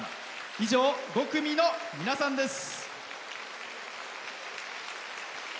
以上、５組の皆さんです。